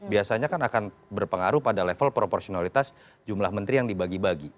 biasanya kan akan berpengaruh pada level proporsionalitas jumlah menteri yang dibagi bagi